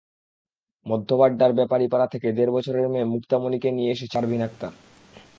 মধ্য বাড্ডার বেপারীপাড়া থেকে দেড় বছরের মেয়ে মুক্তামণিকে নিয়ে এসেছেন পারভীন আক্তার।